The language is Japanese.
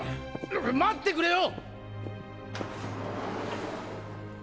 あっ待ってくれよ！